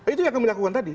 itu yang kami lakukan tadi